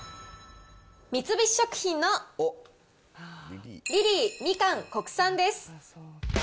三菱食品のリリーみかん国産です。